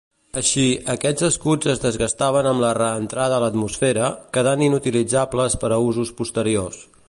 Així, aquests escuts es desgastaven amb la reentrada a l'atmosfera, quedant inutilitzables per usos posteriors.